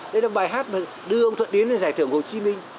thế là bài hát đưa ông thuận điến lên giải thưởng hồ chí minh